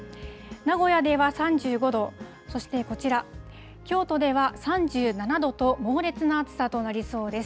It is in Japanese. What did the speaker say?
名古屋では３５度、そしてこちら、京都では３７度と、猛烈な暑さとなりそうです。